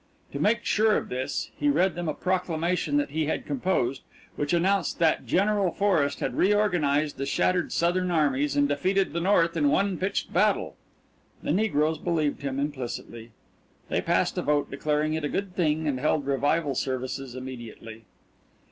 To make sure of this, he read them a proclamation that he had composed, which announced that General Forrest had reorganised the shattered Southern armies and defeated the North in one pitched battle. The negroes believed him implicitly. They passed a vote declaring it a good thing and held revival services immediately.